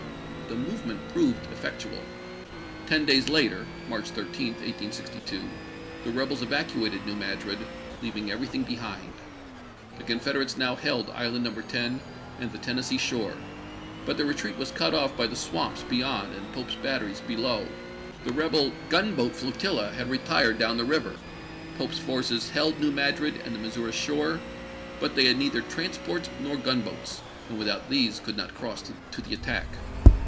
The movement proved effectual. Ten days later (March 13, 1862) the rebels evacuated New Madrid, leaving everything behind. The Confed erates now held Island No. 10 and the Tennessee shore, but their retreat was cut off by the swamps beyond and Pope's batteries below. The rebel gun 296 ABRAHAil LINCOLN CH. XVII. boat flotilla had retired down the river. Pope's forces held New Madrid and the Missouri shore, but they had neither transports nor gunboats, and without these could not cross to the attack.